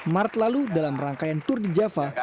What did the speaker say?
maret lalu dalam rangkaian tour de java